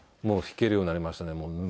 もう弾けるようになりましたね。